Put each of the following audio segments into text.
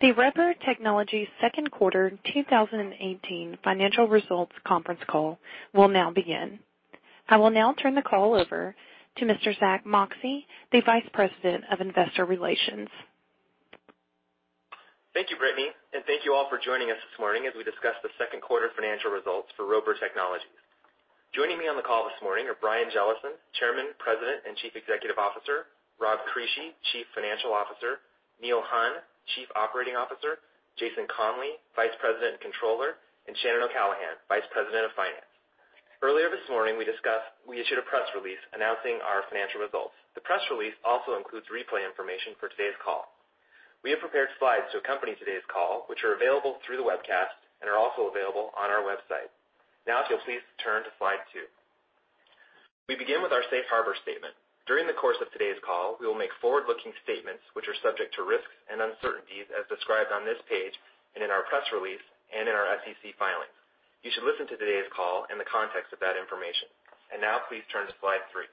The Roper Technologies second quarter 2018 financial results conference call will now begin. I will now turn the call over to Mr. Zack Moxcey, the Vice President of Investor Relations. Thank you, Britney, and thank you all for joining us this morning as we discuss the second quarter financial results for Roper Technologies. Joining me on the call this morning are Brian Jellison, Chairman, President, and Chief Executive Officer; Rob Crisci, Chief Financial Officer; Neil Hunn, Chief Operating Officer; Jason Conley, Vice President and Controller; and Shannon O'Callaghan, Vice President of Finance. Earlier this morning, we issued a press release announcing our financial results. The press release also includes replay information for today's call. We have prepared slides to accompany today's call, which are available through the webcast and are also available on our website. Now, if you'll please turn to slide two. We begin with our safe harbor statement. During the course of today's call, we will make forward-looking statements which are subject to risks and uncertainties as described on this page and in our press release and in our SEC filings. You should listen to today's call in the context of that information. Now, please turn to slide three.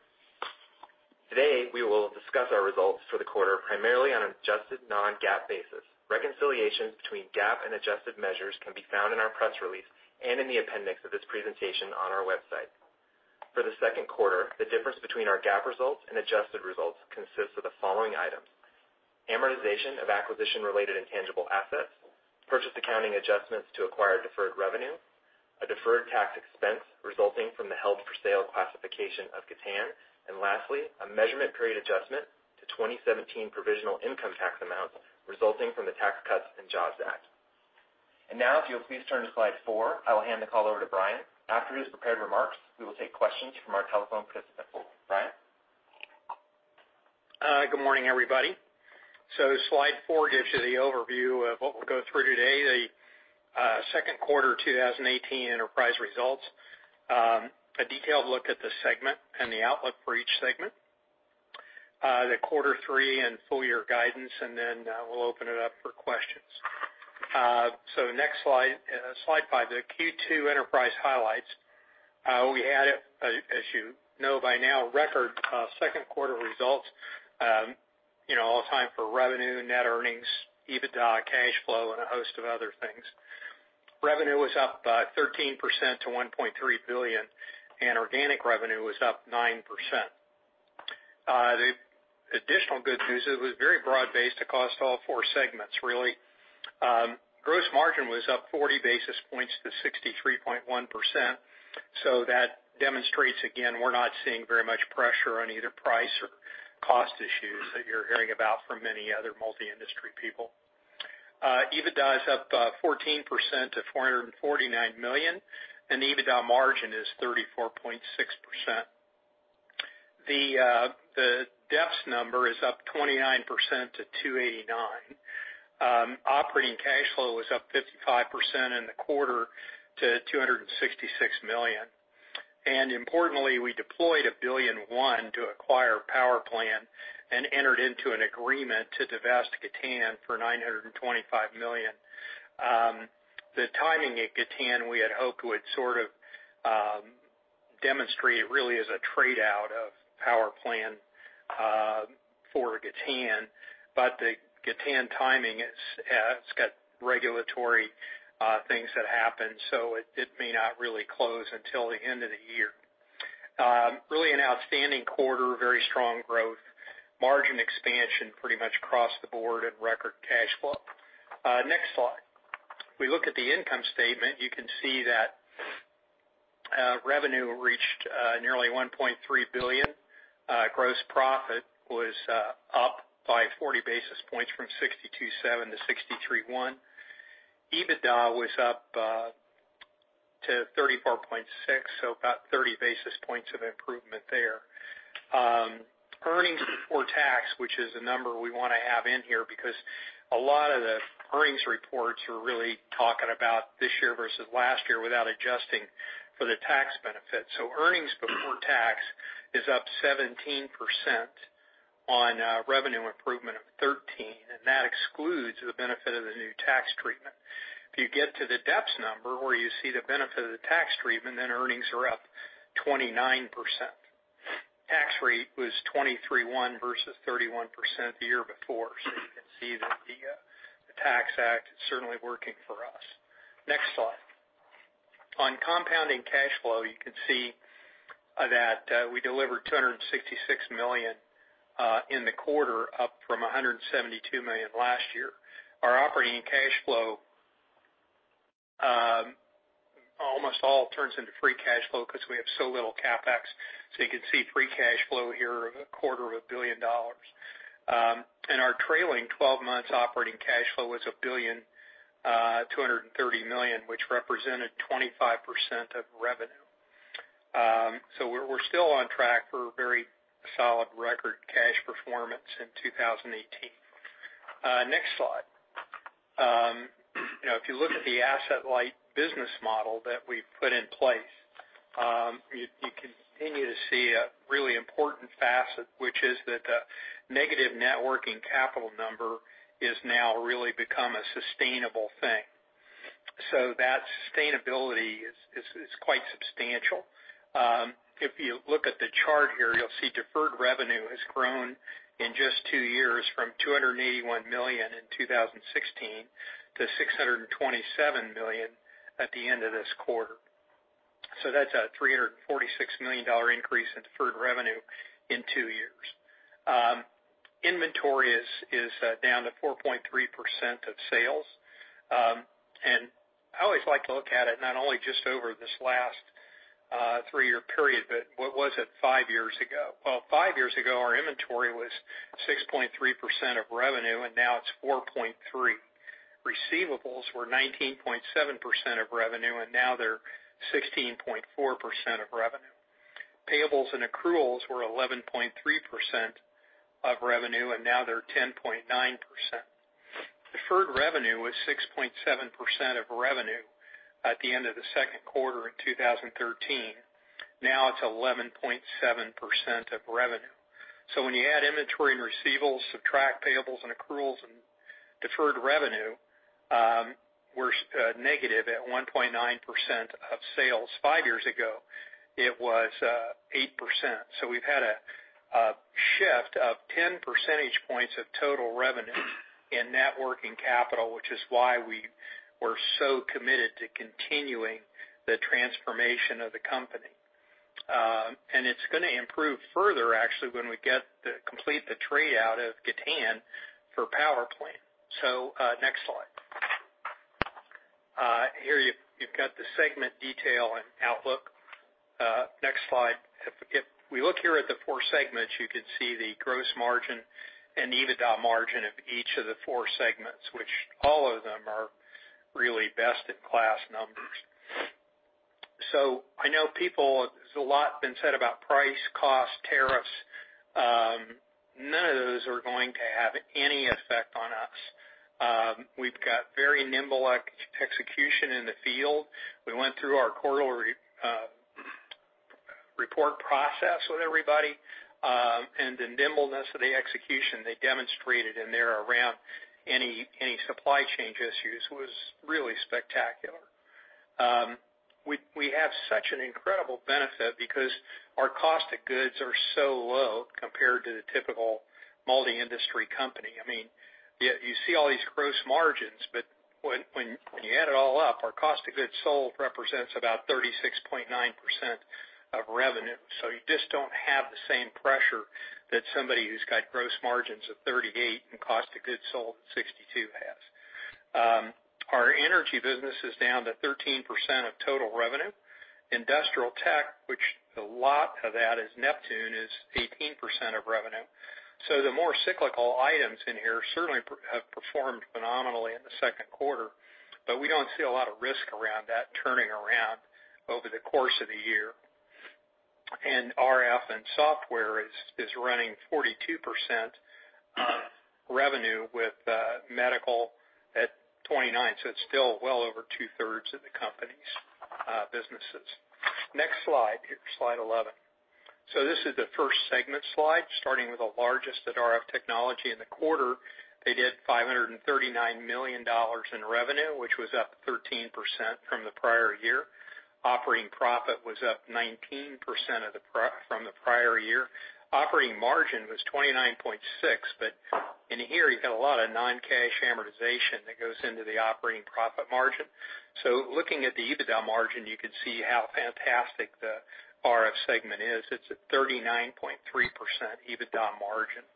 Today, we will discuss our results for the quarter, primarily on an adjusted non-GAAP basis. Reconciliations between GAAP and adjusted measures can be found in our press release and in the appendix of this presentation on our website. For the second quarter, the difference between our GAAP results and adjusted results consists of the following items: amortization of acquisition-related intangible assets, purchase accounting adjustments to acquire deferred revenue, a deferred tax expense resulting from the held-for-sale classification of Gatan, and lastly, a measurement period adjustment to 2017 provisional income tax amount resulting from the Tax Cuts and Jobs Act. Now, if you'll please turn to slide four, I will hand the call over to Brian. After his prepared remarks, we will take questions from our telephone participants. Brian? Good morning, everybody. Slide 4 gives you the overview of what we'll go through today, the second quarter 2018 enterprise results, a detailed look at the segment and the outlook for each segment, the quarter 3 and full year guidance, then we'll open it up for questions. Next slide, Slide 5, the Q2 enterprise highlights. We had, as you know by now, record second quarter results all time for revenue, net earnings, EBITDA, cash flow, and a host of other things. Revenue was up 13% to $1.3 billion, and organic revenue was up 9%. The additional good news, it was very broad-based across all four segments, really. Gross margin was up 40 basis points to 63.1%, that demonstrates, again, we're not seeing very much pressure on either price or cost issues that you're hearing about from many other multi-industry people. EBITDA is up 14% to $449 million, and the EBITDA margin is 34.6%. The DEPS number is up 29% to $289. Operating cash flow was up 55% in the quarter to $266 million. Importantly, we deployed $1.01 billion to acquire PowerPlan and entered into an agreement to divest Gatan for $925 million. The timing at Gatan, we had hoped would sort of demonstrate really as a trade-out of PowerPlan for Gatan. The Gatan timing, it's got regulatory things that happen, so it may not really close until the end of the year. Really an outstanding quarter, very strong growth. Margin expansion pretty much across the board and record cash flow. Next slide. We look at the income statement. You can see that revenue reached nearly $1.3 billion. Gross profit was up by 40 basis points from $627 to $631. EBITDA was up to 34.6%, about 30 basis points of improvement there. Earnings before tax, which is a number we want to have in here because a lot of the earnings reports are really talking about this year versus last year without adjusting for the tax benefit. Earnings before tax is up 17% on revenue improvement of 13%, and that excludes the benefit of the new tax treatment. If you get to the DEPS number, where you see the benefit of the tax treatment, earnings are up 29%. Tax rate was 23.1% versus 31% the year before. You can see that the Tax Act is certainly working for us. Next slide. On compounding cash flow, you can see that we delivered $266 million in the quarter, up from $172 million last year. Our operating cash flow almost all turns into free cash flow because we have so little CapEx. You can see free cash flow here of a quarter of a billion dollars. Our trailing 12 months operating cash flow was $1.23 billion, which represented 25% of revenue. We're still on track for very solid record cash performance in 2018. Next slide. If you look at the asset-light business model that we've put in place, you continue to see a really important facet, which is that the negative net working capital number is now really become a sustainable thing. That sustainability is quite substantial If you look at the chart here, you'll see deferred revenue has grown in just two years from $281 million in 2016 to $627 million at the end of this quarter. That's a $346 million increase in deferred revenue in two years. Inventory is down to 4.3% of sales. I always like to look at it not only just over this last three-year period, but what was it five years ago? Five years ago, our inventory was 6.3% of revenue, and now it's 4.3%. Receivables were 19.7% of revenue, and now they're 16.4% of revenue. Payables and accruals were 11.3% of revenue, and now they're 10.9%. Deferred revenue was 6.7% of revenue at the end of the second quarter in 2013. Now it's 11.7% of revenue. When you add inventory and receivables, subtract payables and accruals and deferred revenue, we're negative at 1.9% of sales. Five years ago, it was 8%. We've had a shift of 10 percentage points of total revenue in net working capital, which is why we were so committed to continuing the transformation of the company. It's going to improve further actually when we complete the trade out of Gatan for PowerPlan. Next slide. Here you've got the segment detail and outlook. Next slide. We look here at the four segments, you could see the gross margin and EBITDA margin of each of the four segments, which all of them are really best-in-class numbers. I know there's a lot been said about price, cost, tariffs. None of those are going to have any effect on us. We've got very nimble execution in the field. We went through our quarterly report process with everybody, and the nimbleness of the execution they demonstrated in there around any supply chain issues was really spectacular. We have such an incredible benefit because our cost of goods are so low compared to the typical molding industry company. You see all these gross margins, but when you add it all up, our cost of goods sold represents about 36.9% of revenue. You just don't have the same pressure that somebody who's got gross margins of 38 and cost of goods sold of 62 has. Our energy business is down to 13% of total revenue. Industrial tech, which a lot of that is Neptune, is 18% of revenue. The more cyclical items in here certainly have performed phenomenally in the second quarter, but we don't see a lot of risk around that turning around over the course of the year. RF and software is running 42% revenue with medical at 29. It's still well over two-thirds of the company's businesses. Next slide. Slide 11. This is the first segment slide, starting with the largest at RF technology in the quarter. They did $539 million in revenue, which was up 13% from the prior year. Operating profit was up 19% from the prior year. Operating margin was 29.6%, but in here, you've got a lot of non-cash amortization that goes into the operating profit margin. Looking at the EBITDA margin, you can see how fantastic the RF segment is. It's a 39.3% EBITDA margin.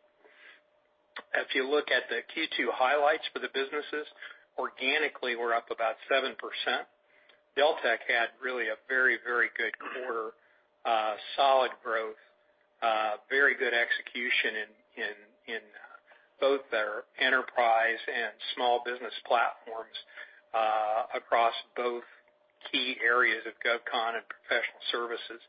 You look at the Q2 highlights for the businesses, organically, we're up about 7%. Deltek had really a very good quarter. Solid growth, very good execution in both their enterprise and small business platforms across both key areas of GovCon and professional services.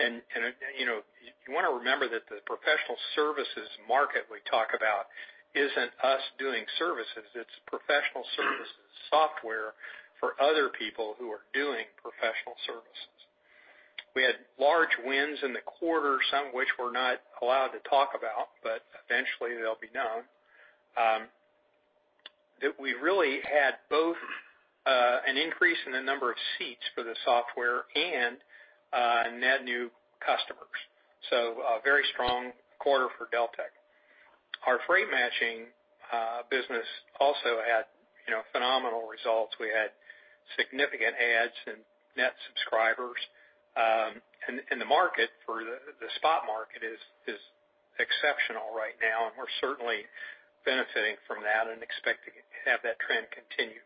You want to remember that the professional services market we talk about isn't us doing services, it's professional services software for other people who are doing professional services. We had large wins in the quarter, some of which we're not allowed to talk about, but eventually they'll be known. That we really had both an increase in the number of seats for the software and net new customers. A very strong quarter for Deltek. Our freight matching business also had phenomenal results. We had significant adds in net subscribers, and the spot market is exceptional right now, and we're certainly benefiting from that and expecting to have that trend continue.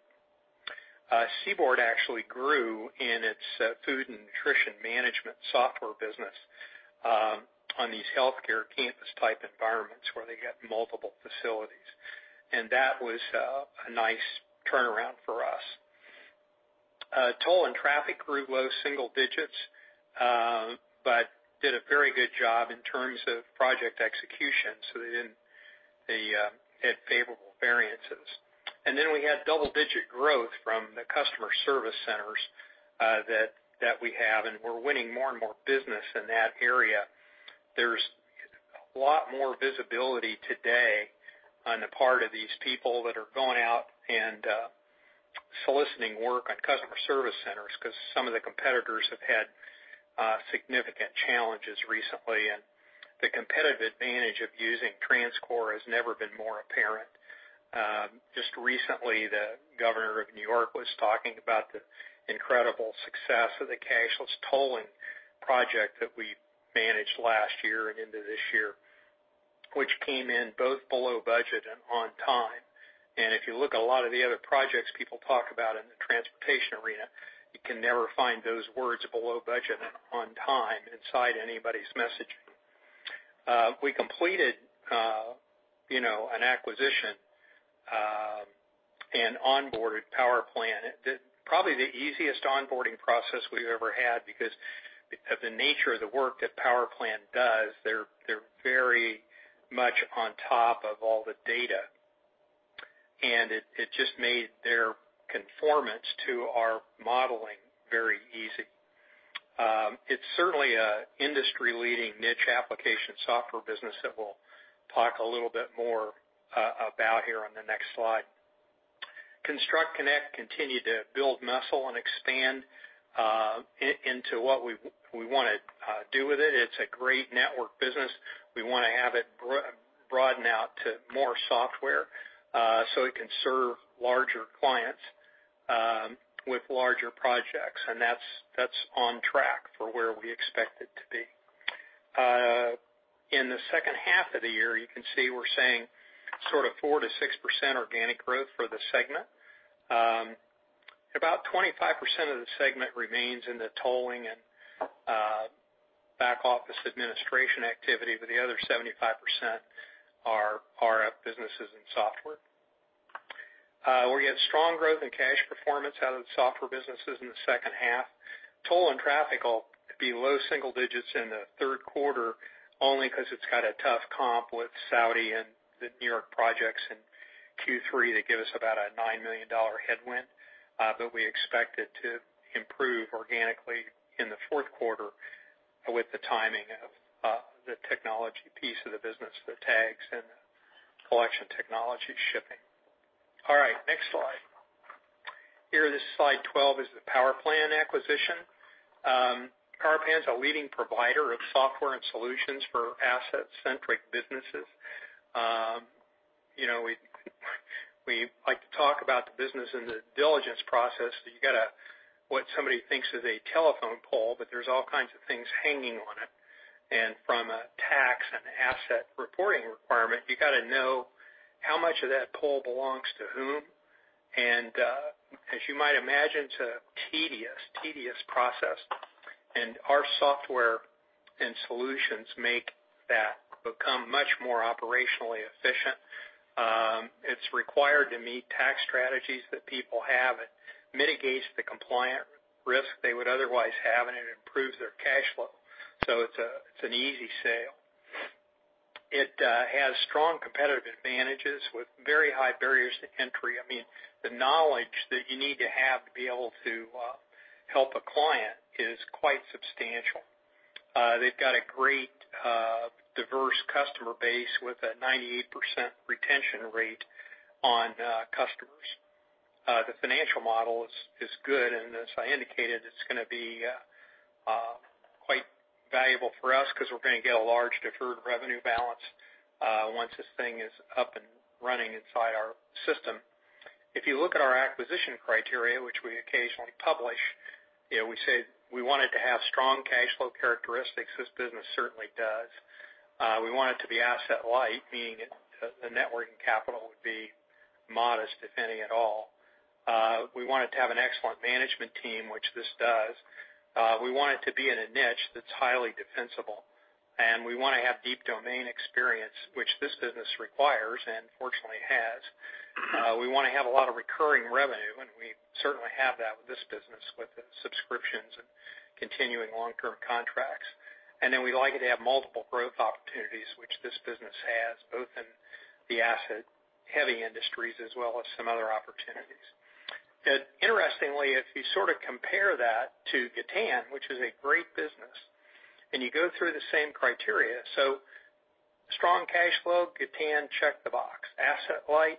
CBORD actually grew in its food and nutrition management software business on these healthcare campus type environments where they get multiple facilities. That was a nice turnaround for us. Toll and traffic grew low single digits, but did a very good job in terms of project execution. They had favorable variances. We had double-digit growth from the customer service centers that we have, and we're winning more and more business in that area. There's a lot more visibility today on the part of these people that are going out and soliciting work on customer service centers because some of the competitors have had significant challenges recently, and the competitive advantage of using TransCore has never been more apparent. Just recently, the governor of N.Y. was talking about the incredible success of the cashless tolling project that we managed last year and into this year, which came in both below budget and on time. If you look at a lot of the other projects people talk about in the transportation arena, you can never find those words below budget and on time inside anybody's messaging. We completed an acquisition, and onboarded PowerPlan. Probably the easiest onboarding process we've ever had because of the nature of the work that PowerPlan does. They're very much on top of all the data. It just made their conformance to our modeling very easy. It's certainly an industry-leading niche application software business that we'll talk a little bit more about here on the next slide. ConstructConnect continued to build muscle and expand into what we want to do with it. It's a great network business. We want to have it broaden out to more software so it can serve larger clients with larger projects. That's on track for where we expect it to be. In the second half of the year, you can see we're saying sort of 4%-6% organic growth for the segment. About 25% of the segment remains in the tolling and back office administration activity, but the other 75% are up businesses in software. We had strong growth and cash performance out of the software businesses in the second half. Toll and traffic will be low single digits in the third quarter, only because it's got a tough comp with Saudi and the N.Y. projects in Q3 that give us about a $9 million headwind. We expect it to improve organically in the fourth quarter with the timing of the technology piece of the business, the tags, and the collection technology shipping. All right, next slide. Here, this slide 12 is the PowerPlan acquisition. PowerPlan's a leading provider of software and solutions for asset-centric businesses. We like to talk about the business in the diligence process. You've got what somebody thinks is a telephone pole, there's all kinds of things hanging on it. From a tax and asset reporting requirement, you got to know how much of that pole belongs to whom. As you might imagine, it's a tedious process. Our software and solutions make that become much more operationally efficient. It's required to meet tax strategies that people have. It mitigates the compliant risk they would otherwise have, and it improves their cash flow. It's an easy sale. It has strong competitive advantages with very high barriers to entry. The knowledge that you need to have to be able to help a client is quite substantial. They've got a great diverse customer base with a 98% retention rate on customers. The financial model is good, as I indicated, it's going to be quite valuable for us because we're going to get a large deferred revenue balance once this thing is up and running inside our system. If you look at our acquisition criteria, which we occasionally publish, we say we want it to have strong cash flow characteristics. This business certainly does. We want it to be asset light, meaning the net working capital would be modest, if any at all. We want it to have an excellent management team, which this does. We want it to be in a niche that's highly defensible. We want to have deep domain experience, which this business requires, and fortunately has. We want to have a lot of recurring revenue, we certainly have that with this business with the subscriptions and continuing long-term contracts. We like it to have multiple growth opportunities, which this business has, both in the asset-heavy industries as well as some other opportunities. Interestingly, if you compare that to Gatan, which is a great business, you go through the same criteria. Strong cash flow, Gatan, check the box. Asset light?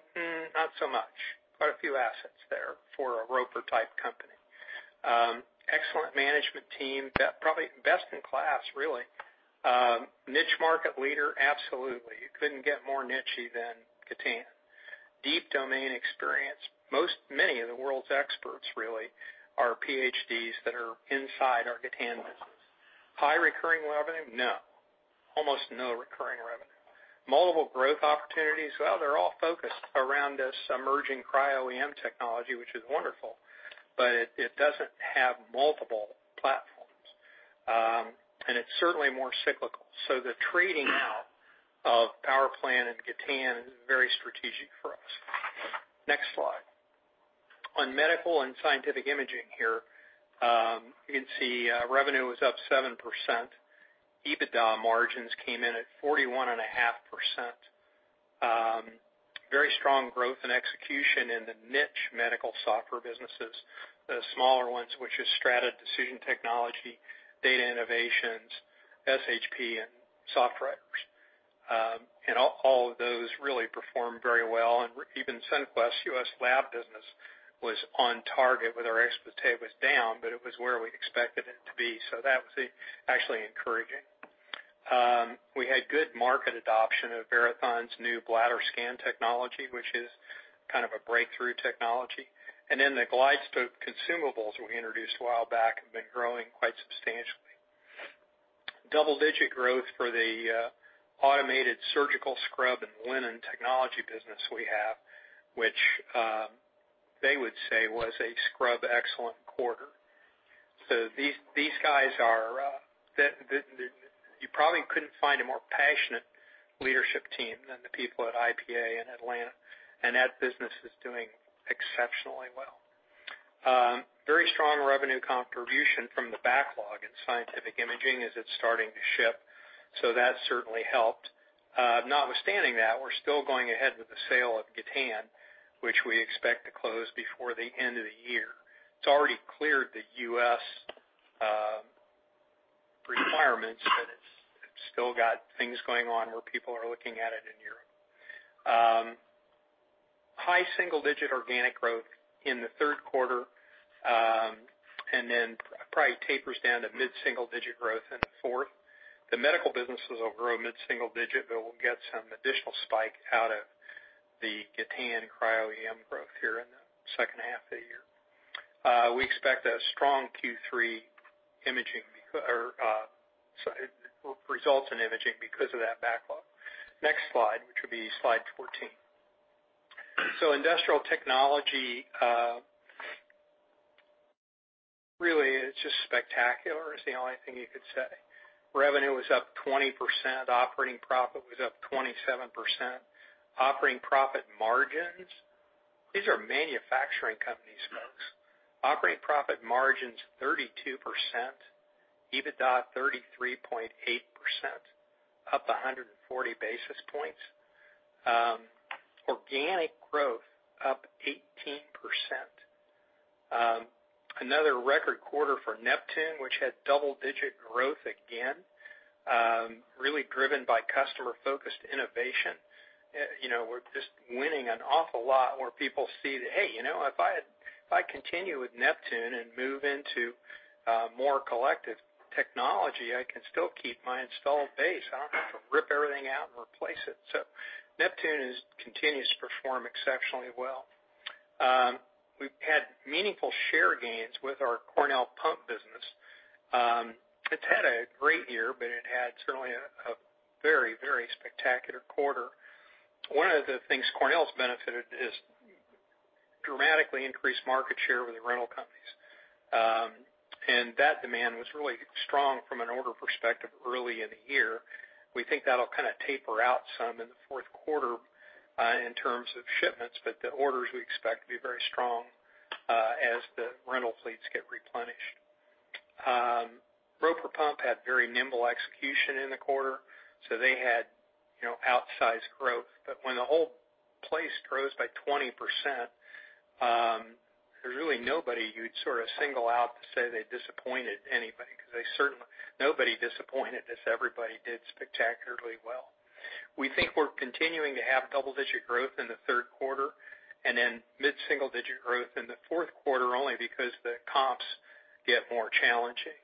Not so much. Quite a few assets there for a Roper-type company. Excellent management team. Probably best in class, really. Niche market leader? Absolutely. You couldn't get more nichey than Gatan. Deep domain experience. Many of the world's experts really are PhDs that are inside our Gatan business. High recurring revenue? No. Almost no recurring revenue. Multiple growth opportunities. Well, they're all focused around this emerging Cryo-EM technology, which is wonderful, but it doesn't have multiple platforms. It's certainly more cyclical. The trading out of PowerPlan and Gatan is very strategic for us. Next slide. On Medical and Scientific Imaging here, you can see revenue was up 7%. EBITDA margins came in at 41.5%. Very strong growth and execution in the niche medical software businesses. The smaller ones, which is Strata Decision Technology, Data Innovations, SHP, and SoftWriters. All of those really performed very well. Even Sunquest's U.S. lab business was on target with our ex-VistA was down, but it was where we expected it to be. That was actually encouraging. We had good market adoption of Verathon's new bladder scan technology, which is kind of a breakthrough technology. The GlideScope consumables we introduced a while back have been growing quite substantially. Double-digit growth for the automated surgical scrub and linen technology business we have, which they would say was a scrub excellent quarter. You probably couldn't find a more passionate leadership team than the people at IPA in Atlanta, and that business is doing exceptionally well. Very strong revenue contribution from the backlog in scientific imaging as it's starting to ship. That certainly helped. Notwithstanding that, we're still going ahead with the sale of Gatan, which we expect to close before the end of the year. It's already cleared the U.S. requirements, but it's still got things going on where people are looking at it in Europe. High single-digit organic growth in the third quarter, then probably tapers down to mid-single digit growth in the fourth. The medical businesses will grow mid-single digit, but we'll get some additional spike out of the Gatan Cryo-EM growth here in the second half of the year. We expect a strong Q3 results in imaging because of that backlog. Next slide, which will be slide 14. Industrial Technology really is just spectacular, is the only thing you could say. Revenue was up 20%, operating profit was up 27%. Operating profit margins, these are manufacturing companies, folks. Operating profit margins 32%, EBITDA 33.8%, up 140 basis points. Organic growth up 18%. Another record quarter for Neptune, which had double-digit growth again, really driven by customer-focused innovation. We're just winning an awful lot more people see that, "Hey, if I continue with Neptune and move into more collective technology, I can still keep my installed base. I don't have to rip everything out and replace it." Neptune continues to perform exceptionally well. We've had meaningful share gains with our Cornell Pump business. It's had a great year, but it had certainly a very spectacular quarter. One of the things Cornell's benefited is dramatically increased market share with the rental companies. That demand was really strong from an order perspective early in the year. We think that'll kind of taper out some in the fourth quarter in terms of shipments, but the orders we expect to be very strong as the rental fleets get replenished. Roper Pump had very nimble execution in the quarter, they had outsized growth. When the whole place grows by 20%, there's really nobody you'd sort of single out to say they disappointed anybody because nobody disappointed us. Everybody did spectacularly well. We think we're continuing to have double-digit growth in the third quarter mid-single digit growth in the fourth quarter only because the comps get more challenging.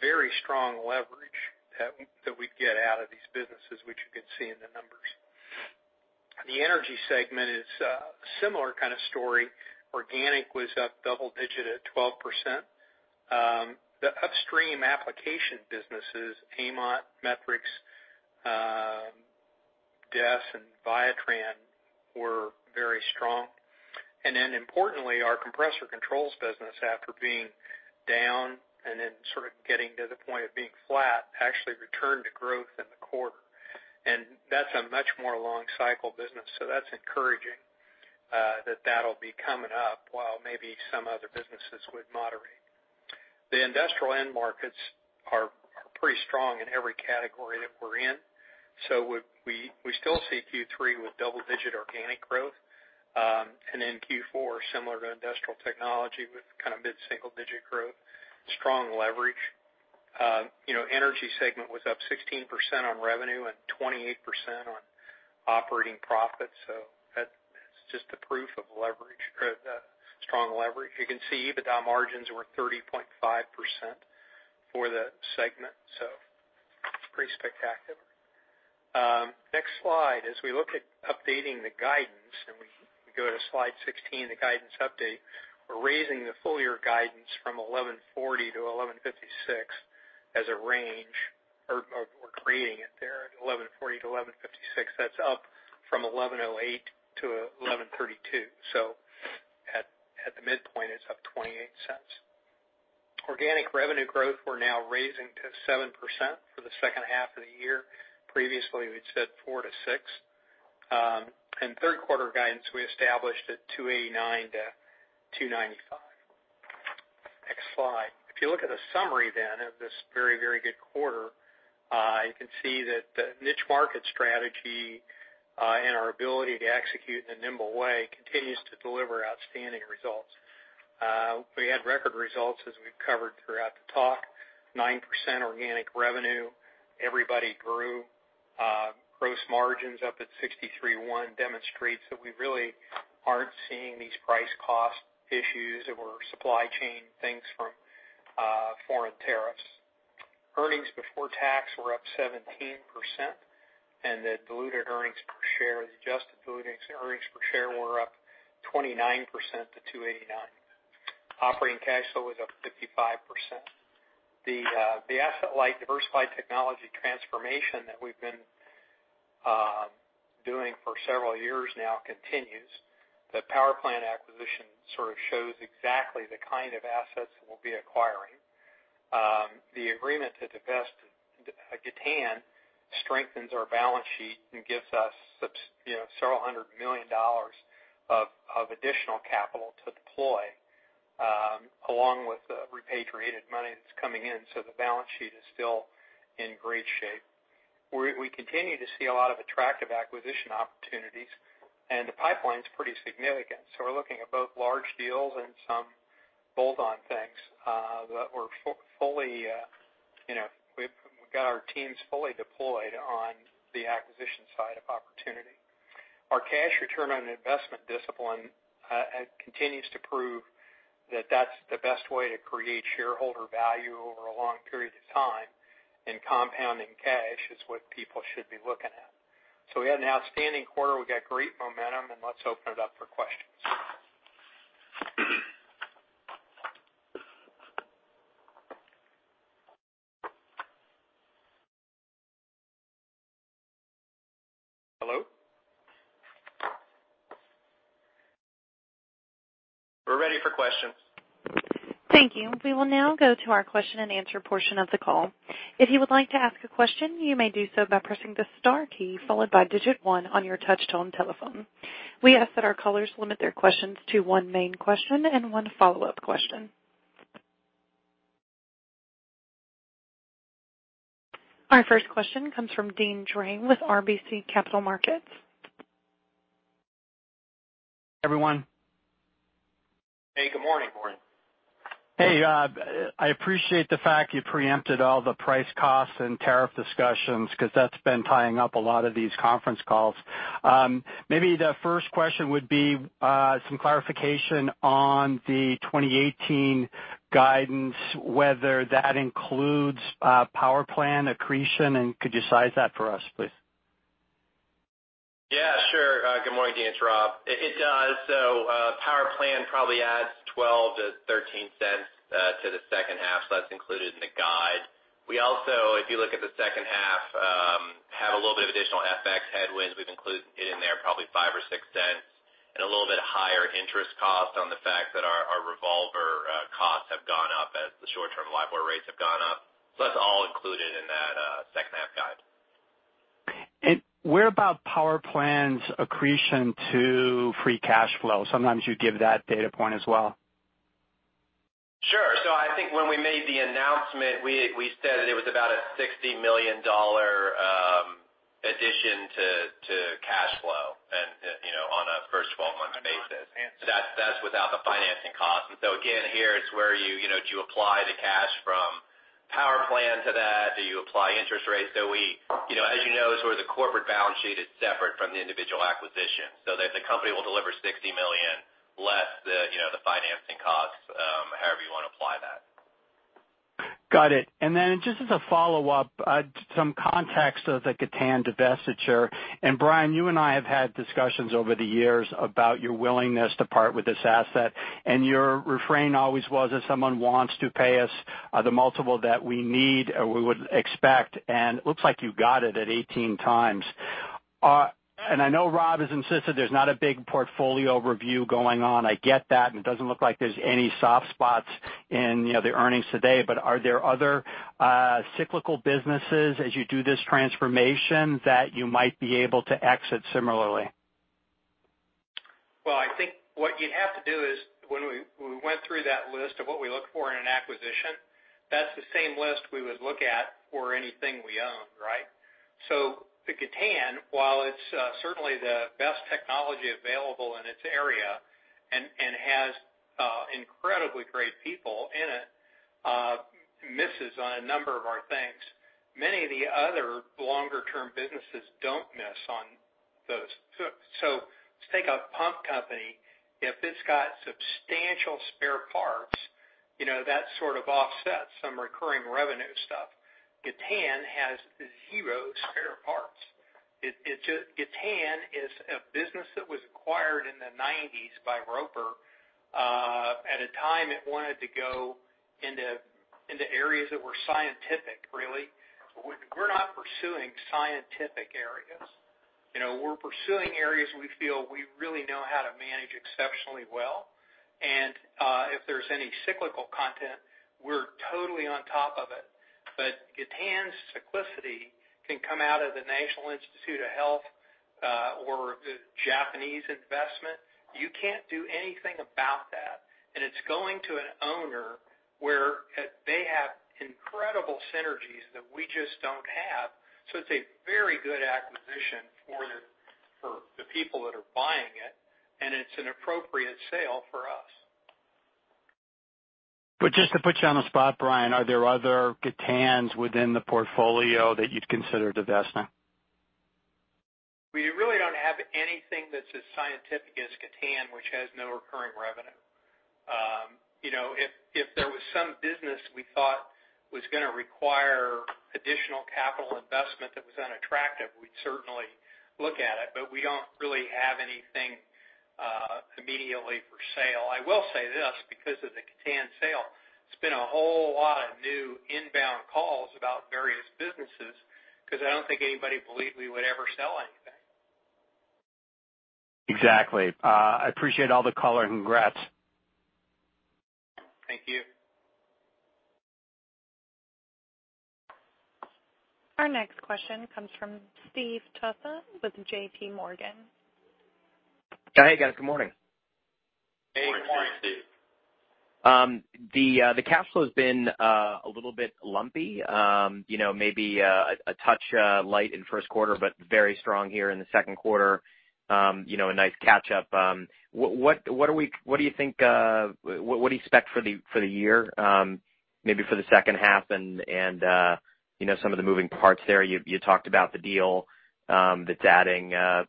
Very strong leverage that we get out of these businesses, which you can see in the numbers. The energy segment is a similar kind of story. Organic was up double digit at 12%. The upstream application businesses, AMOT, Metrix, DES and Viatran, were very strong. Importantly, our compressor controls business, after being down then sort of getting to the point of being flat, actually returned to growth in the quarter. That's a much more long-cycle business. That's encouraging that that'll be coming up while maybe some other businesses would moderate. The industrial end markets are pretty strong in every category that we're in. We still see Q3 with double-digit organic growth, Q4 similar to Industrial Technology with kind of mid-single digit growth, strong leverage. Energy segment was up 16% on revenue and 28% on operating profits. That's just the proof of leverage-- strong leverage. You can see EBITDA margins were 30.5% for the segment, pretty spectacular. Next slide. As we look at updating the guidance, we go to slide 16, the guidance update, we're raising the full year guidance from $11.40-$11.56 as a range, or we're creating it there at $11.40-$11.56. That's up from $11.08-$11.32. At the midpoint, it's up $0.28. Organic revenue growth, we're now raising to 7% for the second half of the year. Previously, we'd said 4%-6%. Third quarter guidance, we established at $2.89-$2.95. Next slide. If you look at a summary of this very good quarter, you can see that the niche market strategy our ability to execute in a nimble way continues to deliver outstanding results. We had record results, as we've covered throughout the talk, 9% organic revenue. Everybody grew. Gross margins up at 63.1% demonstrates that we really aren't seeing these price cost issues or supply chain things from foreign tariffs. Earnings before tax were up 17%, the diluted earnings per share, the adjusted diluted earnings per share were up 29% to $2.89. Operating cash flow was up 55%. The asset-light diversified technology transformation that we've been doing for several years now continues. The PowerPlan acquisition sort of shows exactly the kind of assets we'll be acquiring. The agreement to divest Gatan strengthens our balance sheet and gives us $several hundred million of additional capital to deploy, along with the repatriated money that's coming in. The balance sheet is still in great shape. We continue to see a lot of attractive acquisition opportunities, and the pipeline's pretty significant. We're looking at both large deals and some bolt-on things. We've got our teams fully deployed on the acquisition side of opportunity. Our cash return on investment discipline continues to prove that that's the best way to create shareholder value over a long period of time, and compounding cash is what people should be looking at. We had an outstanding quarter. We've got great momentum, and let's open it up for questions. Hello? We're ready for questions. Thank you. We will now go to our question and answer portion of the call. If you would like to ask a question, you may do so by pressing the star key followed by digit 1 on your touch-tone telephone. We ask that our callers limit their questions to 1 main question and 1 follow-up question. Our first question comes from Deane Dray with RBC Capital Markets. Everyone. Hey, good morning. Morning. Hey, I appreciate the fact you preempted all the price costs and tariff discussions because that's been tying up a lot of these conference calls. Maybe the first question would be some clarification on the 2018 guidance, whether that includes PowerPlan accretion, and could you size that for us, please? Yeah, sure. Good morning, Deane. It's Rob. It does. PowerPlan probably adds $0.12-$0.13 to the second half. That's included in the guide. We also, if you look at the second half, have a little bit of additional FX headwinds. We've included in there probably $0.05-$0.06 and a little bit higher interest cost on the fact that our revolver costs have gone up as the short-term LIBOR rates have gone up. That's all included in that second half guide. What about PowerPlan's accretion to free cash flow? Sometimes you give that data point as well. Sure. I think when we made the announcement, we said that it was about a $60 million addition to cash flow on a first 12 months basis. That's without the financing cost. Again, here it's where you apply the cash from PowerPlan to that. Do you apply interest rates? As you know, the corporate balance sheet is separate from the individual acquisition so that the company will deliver $60 million less the financing costs, however you want to apply that. Got it. Just as a follow-up, some context of the Gatan divestiture. Brian, you and I have had discussions over the years about your willingness to part with this asset. Your refrain always was if someone wants to pay us the multiple that we need or we would expect, and it looks like you got it at 18 times. I know Rob has insisted there's not a big portfolio review going on. I get that. It doesn't look like there's any soft spots in the earnings today. Are there other cyclical businesses as you do this transformation that you might be able to exit similarly? Well, I think what you'd have to do is when we went through that list of what we look for in an acquisition, that's the same list we would look at for anything we own. Right? The Gatan, while it's certainly the best technology available in its area and has incredibly great people in it, misses on a number of our things. Many of the other longer-term businesses don't miss on those. Let's take a pump company. If it's got substantial spare parts, that sort of offsets some recurring revenue stuff. Gatan has zero spare parts. Gatan is a business that was acquired in the '90s by Roper at a time it wanted to go into areas that were scientific really. We're not pursuing scientific areas. We're pursuing areas we feel we really know how to manage exceptionally well. If there's any cyclical content, we're totally on top of it. Gatan's cyclicity can come out of the National Institutes of Health or the Japanese investment. You can't do anything about that. It's going to an owner where they have incredible synergies that we just don't have. It's a very good acquisition for the people that are buying it, and it's an appropriate sale for us. Just to put you on the spot, Brian, are there other Gatans within the portfolio that you'd consider divesting? We really don't have anything that's as scientific as Gatan, which has no recurring revenue. If there was some business we thought was going to require additional capital investment that was unattractive, we'd certainly look at it, but we don't really have anything immediately for sale. I will say this, because of the Gatan sale, it's been a whole lot of new inbound calls about various businesses, because I don't think anybody believed we would ever sell anything. Exactly. I appreciate all the color and congrats. Thank you. Our next question comes from Steve Tusa with JPMorgan. Hey, guys. Good morning. Good morning, Steve. The cash flow has been a little bit lumpy. Maybe a touch light in first quarter, but very strong here in the second quarter. A nice catch up. What do you expect for the year? Maybe for the second half and some of the moving parts there. You talked about the deal that's adding $60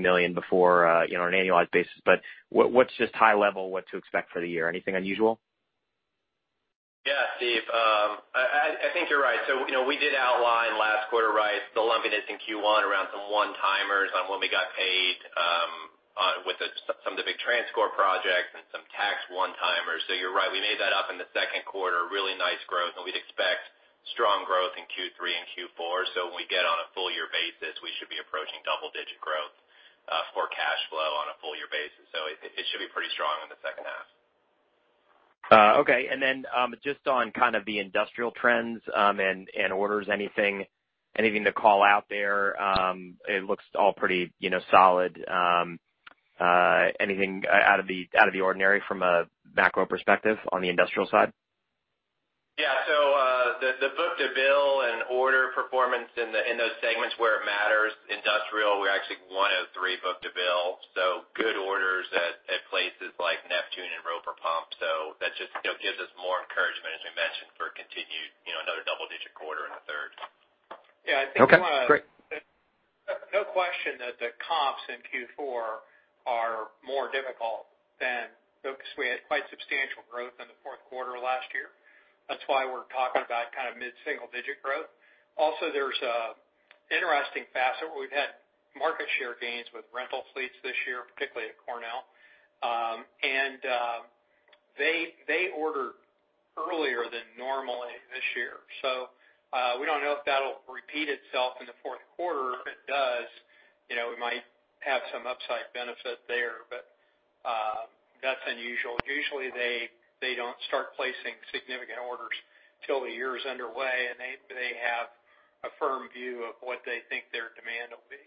million before on an annualized basis. What's just high level what to expect for the year? Anything unusual? Yeah, Steve Tusa, I think you're right. We did outline last quarter, the lumpiness in Q1 around some one-timers on when we got paid with some of the big TransCore projects and some tax one-timers. You're right, we made that up in the second quarter. Really nice growth, and we'd expect strong growth in Q3 and Q4. When we get on a full year basis, we should be approaching double-digit growth for cash flow on a full year basis. It should be pretty strong in the second half. Okay. Just on kind of the industrial trends and orders, anything to call out there? It looks all pretty solid. Anything out of the ordinary from a macro perspective on the industrial side? Yeah. The book to bill and order performance in those segments where it matters, industrial, we're actually 103 book to bill, good orders at places like Neptune and Roper Pump. That just gives us more encouragement, as we mentioned, for continued another double-digit quarter in the third. Okay, great. No question that the comps in Q4 are more difficult than because we had quite substantial growth in the fourth quarter of last year. That's why we're talking about kind of mid-single digit growth. Also, there's an interesting facet. We've had market share gains with rental fleets this year, particularly at Cornell. They ordered earlier than normal this year. We don't know if that'll repeat itself in the fourth quarter. If it does, we might have some upside benefit there, but that's unusual. Usually, they don't start placing significant orders till the year is underway, and they have a firm view of what they think their demand will be.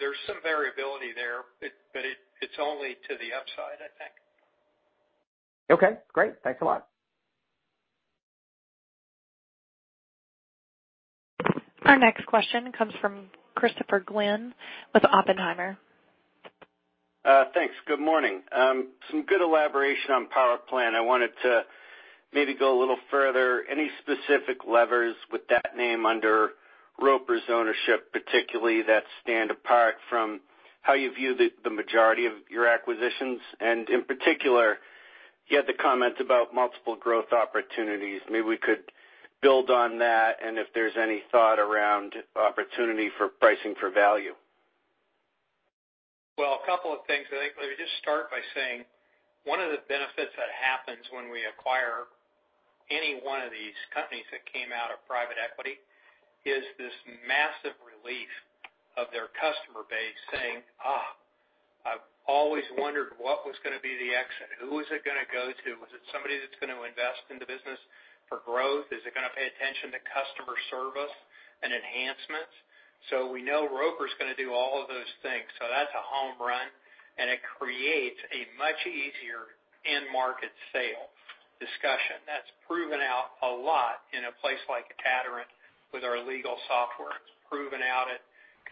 There's some variability there, but it's only to the upside, I think. Okay, great. Thanks a lot. Our next question comes from Christopher Glynn with Oppenheimer. Thanks. Good morning. Some good elaboration on PowerPlan. I wanted to maybe go a little further. Any specific levers with that name under Roper's ownership, particularly that stand apart from how you view the majority of your acquisitions? In particular, you had the comment about multiple growth opportunities. Maybe we could build on that, and if there's any thought around opportunity for pricing for value. Well, a couple of things. I think let me just start by saying one of the benefits that happens when we acquire any one of these companies that came out of private equity is this massive relief of their customer base saying, "I've always wondered what was going to be the exit. Who is it going to go to? Was it somebody that's going to invest in the business for growth? Is it going to pay attention to customer service and enhancements?" We know Roper's going to do all of those things. That's a home run, and it creates a much easier end market sale discussion. That's proven out a lot in a place like Aderant with our legal software. It's proven out at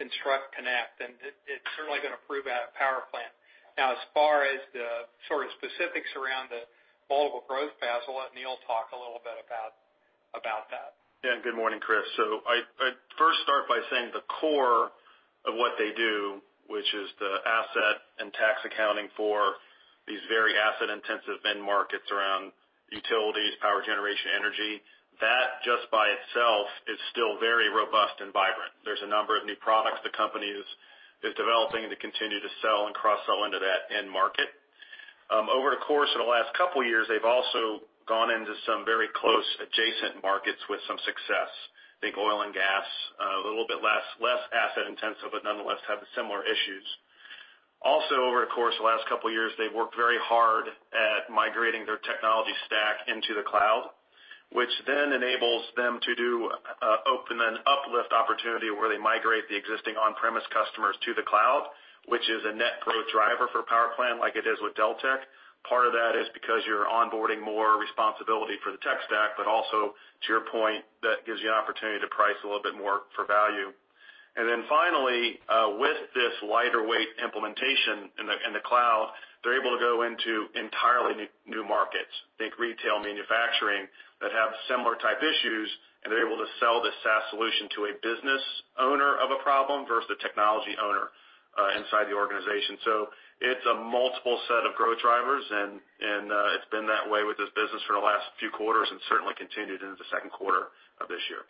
ConstructConnect, and it's certainly going to prove out at PowerPlan. As far as the sort of specifics around the multiple growth paths, I'll let Neil talk a little bit about that. Yeah. Good morning, Chris. I'd first start by saying the core of what they do, which is the asset and tax accounting for these very asset-intensive end markets around utilities, power generation, energy. That just by itself is still very robust and vibrant. There's a number of new products the company is developing to continue to sell and cross-sell into that end market. Over the course of the last couple of years, they've also gone into some very close adjacent markets with some success. Think oil and gas, a little bit less asset intensive, but nonetheless, have similar issues. Also over the course of the last couple of years, they've worked very hard at migrating their technology stack into the cloud. It enables them to open an uplift opportunity where they migrate the existing on-premise customers to the cloud, which is a net growth driver for PowerPlan like it is with Deltek. Part of that is because you're onboarding more responsibility for the tech stack, but also to your point, that gives you an opportunity to price a little bit more for value. Finally, with this lighter weight implementation in the cloud, they're able to go into entirely new markets, think retail manufacturing, that have similar type issues, and they're able to sell the SaaS solution to a business owner of a problem versus the technology owner inside the organization. It's a multiple set of growth drivers and it's been that way with this business for the last few quarters and certainly continued into the second quarter of this year.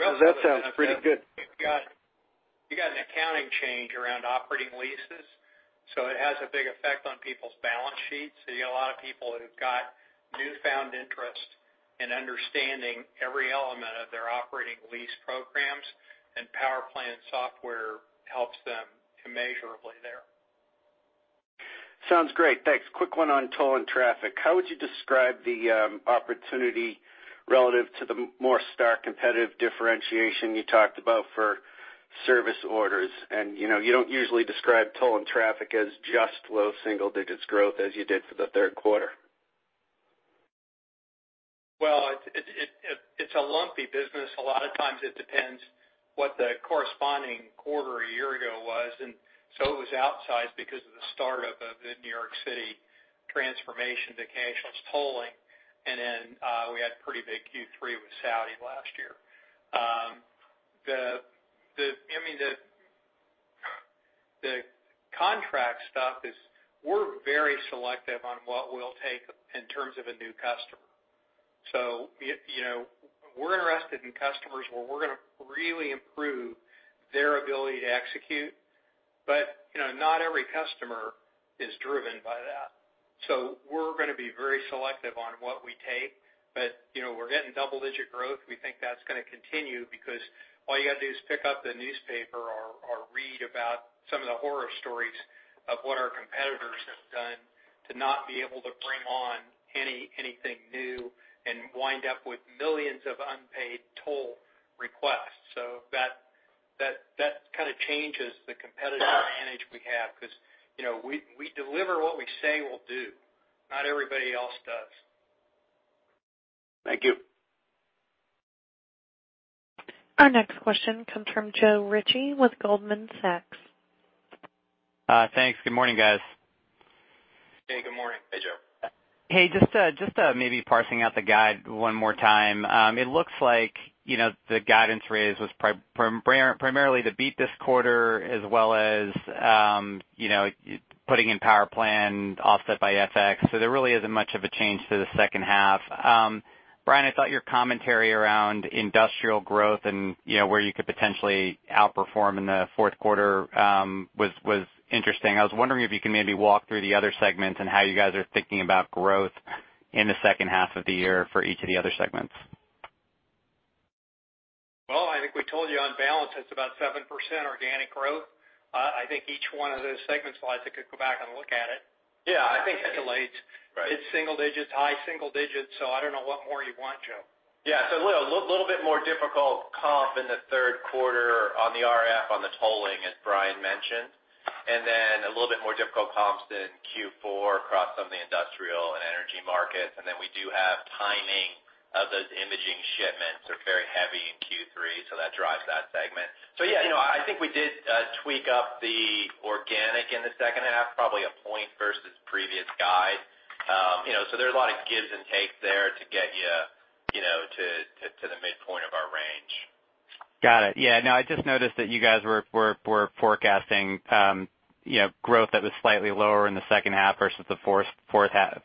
Well, that sounds pretty good. You got an accounting change around operating leases, it has a big effect on people's balance sheets. You got a lot of people who've got newfound interest in understanding every element of their operating lease programs, and PowerPlan software helps them immeasurably there. Sounds great. Thanks. Quick one on toll and traffic. How would you describe the opportunity relative to the more star competitive differentiation you talked about for service orders? You don't usually describe toll and traffic as just low single-digits growth as you did for the third quarter. It's a lumpy business. A lot of times it depends what the corresponding quarter a year ago was. It was outsized because of the start-up of the New York City transformation to cashless tolling. We had pretty big Q3 with Saudi last year. The contract stuff is we're very selective on what we'll take in terms of a new customer. We're interested in customers where we're going to really improve their ability to execute. Not every customer is driven by that. We're going to be very selective on what we take. We're hitting double-digit growth. We think that's going to continue because all you got to do is pick up the newspaper or read about some of the horror stories of what our competitors have done to not be able to bring on anything new and wind up with millions of unpaid toll requests. That kind of changes the competitive advantage we have because we deliver what we say we'll do. Not everybody else does. Thank you. Our next question comes from Joe Ritchie with Goldman Sachs. Thanks. Good morning, guys. Hey. Good morning. Hey, Joe. Hey, just maybe parsing out the guide one more time. It looks like the guidance raise was primarily to beat this quarter as well as putting in PowerPlan offset by FX. There really isn't much of a change to the second half. Brian, I thought your commentary around industrial growth and where you could potentially outperform in the fourth quarter was interesting. I was wondering if you can maybe walk through the other segments and how you guys are thinking about growth in the second half of the year for each of the other segments. Well, I think we told you on balance, it's about 7% organic growth. I think each one of those segment slides, I could go back and look at it. Yeah, I think it's single digits, high single digits. I don't know what more you want, Joe. Yeah. A little bit more difficult comp in the third quarter on the RF, on the tolling, as Brian mentioned, and then a little bit more difficult comps in Q4 across some of the industrial and energy markets. We do have timing of those imaging shipments are very heavy in Q3. That drives that segment. Yeah, I think we did tweak up the organic in the second half, probably a point versus previous guide. There's a lot of gives and takes there to get you to the midpoint of our range. Got it. Yeah, no, I just noticed that you guys were forecasting growth that was slightly lower in the second half versus the first half.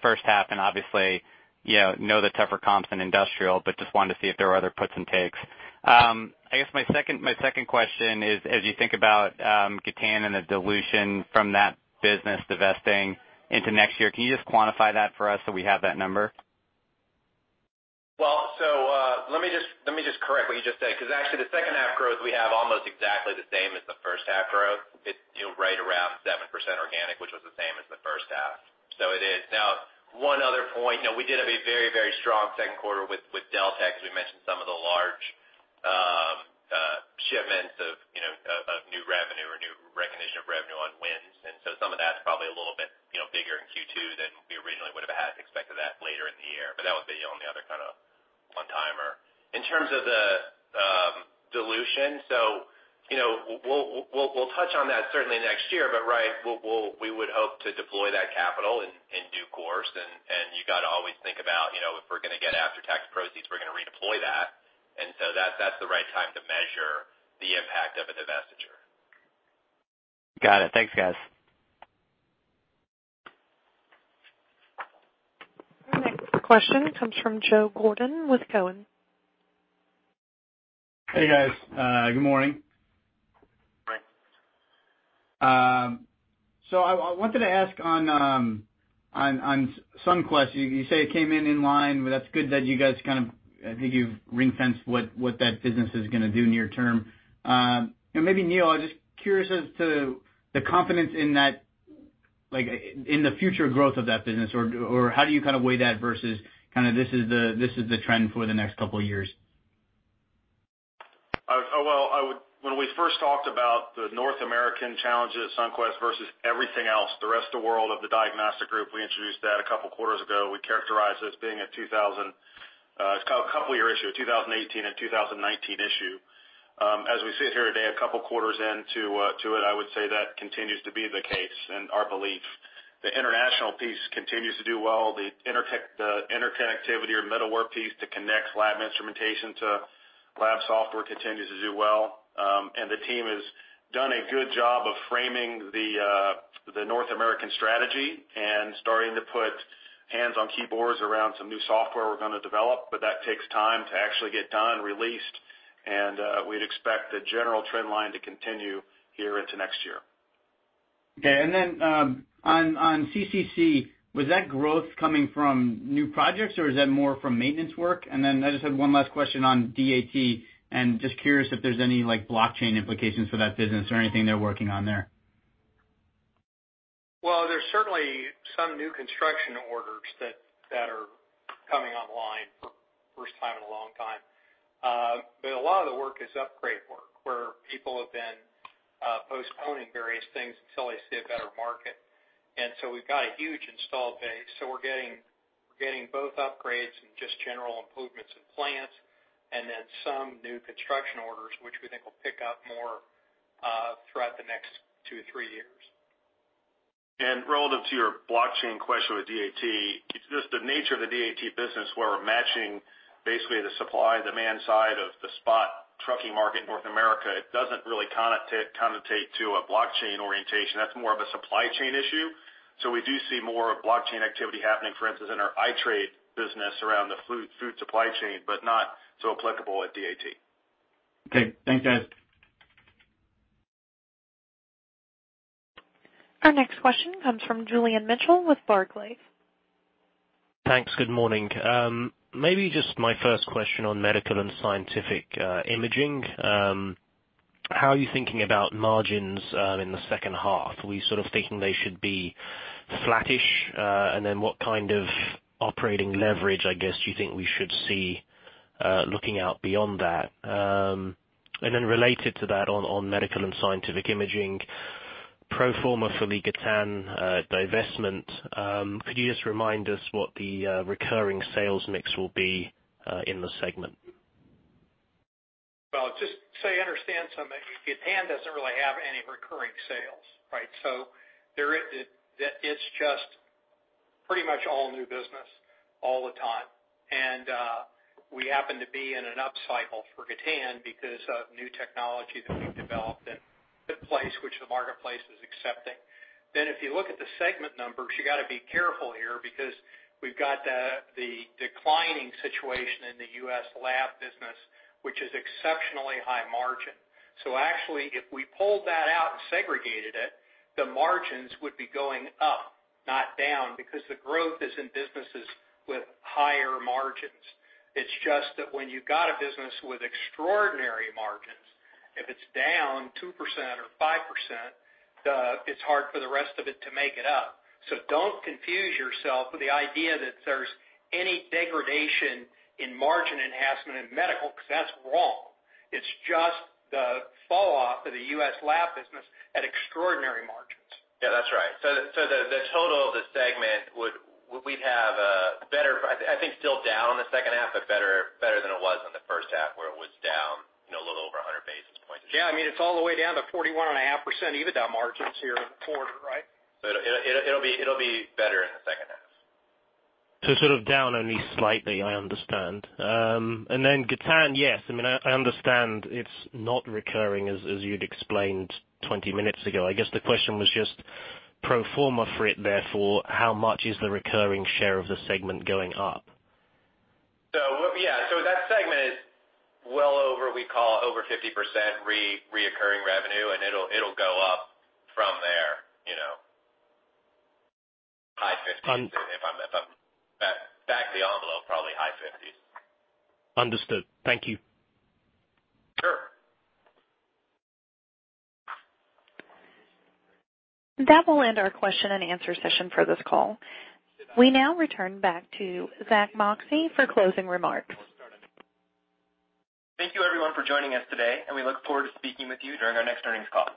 Obviously, know the tougher comps in industrial, but just wanted to see if there were other puts and takes. I guess my second question is, as you think about Gatan and the dilution from that business divesting into next year, can you just quantify that for us so we have that number? Let me just correct what you just said, because actually the second half growth, we have almost exactly the same as the first half growth. It's right around 7% organic, which was the same as the first half. It is. One other point, we did have a very strong second quarter with Deltek, as we mentioned some of the large shipments of new revenue or new recognition of revenue on wins. Some of that's probably a little bit bigger in Q2 than we originally would have expected that later in the year. That would be on the other kind of on timer. In terms of the dilution, we'll touch on that certainly next year, right, we would hope to deploy that capital in due course. You got to always think about if we're going to get after-tax proceeds, we're going to redeploy that. That's the right time to measure the impact of a divestiture. Got it. Thanks, guys. Our next question comes from Joe Giordano with Cowen. Hey, guys. Good morning. Morning. I wanted to ask on Sunquest, you say it came in in line. That's good that you guys kind of, I think you've ring-fenced what that business is going to do near term. Maybe Neil, just curious as to the confidence in that Like in the future growth of that business, or how do you kind of weigh that versus this is the trend for the next couple of years? Well, when we first talked about the North American challenges at Sunquest versus everything else, the rest of the world of the diagnostic group, we introduced that a couple of quarters ago. We characterized it as being a couple year issue, a 2018 and 2019 issue. As we sit here today, a couple of quarters into it, I would say that continues to be the case and our belief. The international piece continues to do well. The interconnectivity or middleware piece to connect lab instrumentation to lab software continues to do well. The team has done a good job of framing the North American strategy and starting to put hands on keyboards around some new software we're going to develop. That takes time to actually get done, released, and we'd expect the general trend line to continue here into next year. Okay. Then on CCC, was that growth coming from new projects, or is that more from maintenance work? Then I just had one last question on DAT, just curious if there's any blockchain implications for that business or anything they're working on there. There's certainly some new construction orders that are coming online for the first time in a long time. A lot of the work is upgrade work, where people have been postponing various things until they see a better market. We've got a huge install base. We're getting both upgrades and just general improvements in plants, some new construction orders, which we think will pick up more throughout the next two, three years. Relative to your blockchain question with DAT, it's just the nature of the DAT business where we're matching basically the supply and demand side of the spot trucking market in North America. It doesn't really connote to a blockchain orientation. That's more of a supply chain issue. We do see more of blockchain activity happening, for instance, in our iTradeNetwork business around the food supply chain, but not so applicable at DAT. Okay. Thanks, guys. Our next question comes from Julian Mitchell with Barclays. Thanks. Good morning. Maybe just my first question on medical and scientific imaging. How are you thinking about margins in the second half? Were you sort of thinking they should be flattish? What kind of operating leverage, I guess, do you think we should see looking out beyond that? Related to that, on medical and scientific imaging, pro forma for the Gatan divestment, could you just remind us what the recurring sales mix will be in the segment? Well, just so you understand, Gatan doesn't really have any recurring sales, right? It's just pretty much all new business all the time. We happen to be in an up cycle for Gatan because of new technology that we've developed and put in place, which the marketplace is accepting. If you look at the segment numbers, you got to be careful here because we've got the declining situation in the U.S. lab business, which is exceptionally high margin. Actually, if we pulled that out and segregated it, the margins would be going up, not down, because the growth is in businesses with higher margins. It's just that when you've got a business with extraordinary margins, if it's down 2% or 5%, it's hard for the rest of it to make it up. Don't confuse yourself with the idea that there's any degradation in margin enhancement in medical, because that's wrong. It's just the fall off of the U.S. lab business at extraordinary margins. Yeah, that's right. The total of the segment, we'd have a better, I think still down in the second half, but better than it was in the first half where it was down a little over 100 basis points. Yeah. It's all the way down to 41.5% EBITDA margins here in the quarter, right? It'll be better in the second half. Sort of down only slightly, I understand. Gatan, yes. I understand it's not recurring, as you'd explained 20 minutes ago. I guess the question was just pro forma for it, therefore, how much is the recurring share of the segment going up? Yeah. That segment is well over, we call over 50% reoccurring revenue, and it'll go up from there. High 50s. Back the envelope, probably high 50s. Understood. Thank you. Sure. That will end our question and answer session for this call. We now return back to Zack Moxcey for closing remarks. Thank you everyone for joining us today. We look forward to speaking with you during our next earnings call.